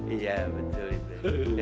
iya betul itu